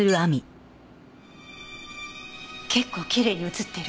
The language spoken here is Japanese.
結構きれいに映ってる。